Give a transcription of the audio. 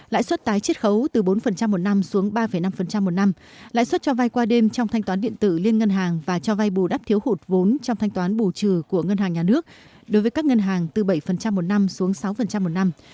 lãi suất tái triết khấu từ bốn một năm xuống ba năm một năm lãi suất cho vay qua đêm trong thanh toán điện tử liên ngân hàng và cho vay bù đắp thiếu hụt vốn trong thanh toán bù trừ của ngân hàng nhà nước đối với các ngân hàng từ bảy một năm xuống sáu một năm